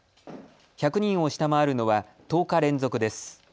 １００人を下回るのは１０日連続です。